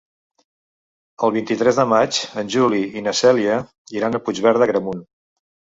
El vint-i-tres de maig en Juli i na Cèlia iran a Puigverd d'Agramunt.